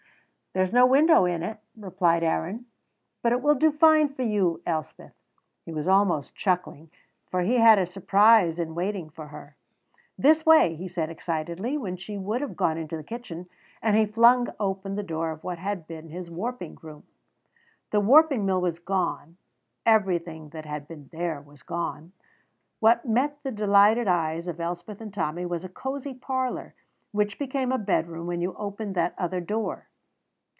"There's no a window in it," replied Aaron; "but it will do fine for you, Elspeth." He was almost chuckling, for he had a surprise in waiting for her. "This way," he said excitedly, when she would have gone into the kitchen, and he flung open the door of what had been his warping room. The warping mill was gone everything that had been there was gone. What met the delighted eyes of Elspeth and Tommy was a cozy parlour, which became a bedroom when you opened that other door.